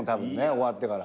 終わってから。